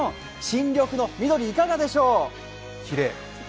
新緑の緑いかがでしょう？